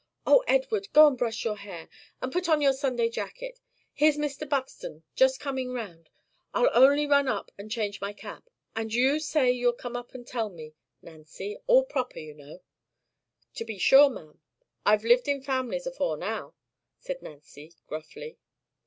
Oh, Edward! go and brush your hair, and put on your Sunday jacket; here's Mr. Buxton just coming round. I'll only run up and change my cap; and you say you'll come up and tell me, Nancy; all proper, you know." "To be sure, ma'am. I've lived in families afore now," said Nancy, gruffly.